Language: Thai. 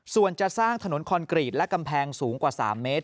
ส่วนจะสร้างถนนคอนกรีตและกำแพงสูงกว่า๓เมตร